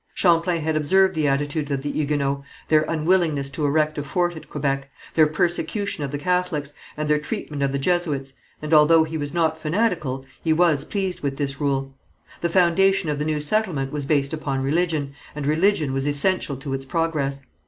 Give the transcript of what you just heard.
Champlain had observed the attitude of the Huguenots, their unwillingness to erect a fort at Quebec, their persecution of the Catholics, and their treatment of the Jesuits, and although he was not fanatical, he was pleased with this rule. The foundation of the new settlement was based upon religion, and religion was essential to its progress.